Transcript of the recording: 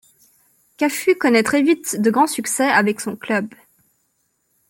Cafu connaît très vite de grands succès avec son club.